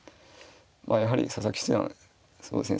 まあやはり佐々木七段そうですね